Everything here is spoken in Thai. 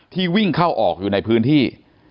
วิ่งเข้าออกอยู่ในพื้นที่